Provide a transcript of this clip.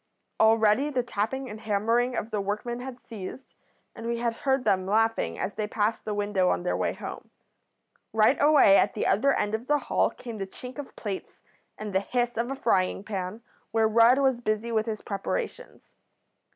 Already the tapping and hammering of the workmen had ceased, and we had heard them laughing as they passed the window on their way home. Right away at the other end of the hall came the chink of plates and the hiss of a frying pan where Rudd was busy with his preparations.